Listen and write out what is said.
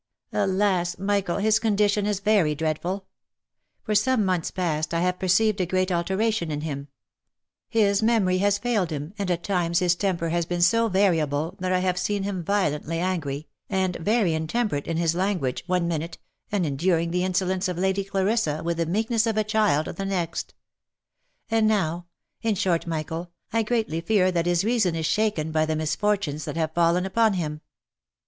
Alas ! Michael, his condition is very dreadful ! For some months past, I have perceived a great alteration in him. His memory ha OF MICHAEL ARMSTRONG. 347 failed him, and at times his temper has been so variable that I have seen himviolently angary, and very intemperate in his language, one minute, and enduring the insolence of Lady Clarissa, with the meek ness of a child, the next. And now — In short, Michael, I greatly fear that his reason is shaken by the misfortunes that have fallen upon him.